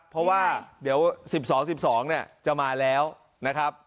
เพราะว่าเดี๋ยวสิบสองสิบสองเนี่ยจะมาแล้วนะครับ